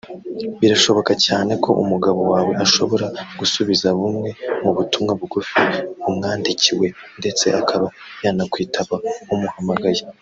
Birashoboka cyane ko umugabo wawe ashobora gusubiza bumwe mu butumwa bugufi bumwandikiwe ndetse akaba yanakwitaba umuhamagaye